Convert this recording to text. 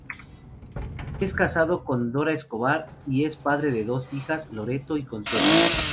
Es casado con Dora Escobar y es padre de dos hijas, Loreto y Consuelo.